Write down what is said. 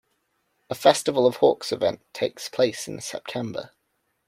A 'Festival of Hawks' event takes place in September.